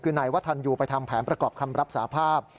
คือนายวัฒนยูไปทำแผนประกอบคำรับสาภาพ